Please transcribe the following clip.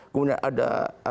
kemudian ada uwan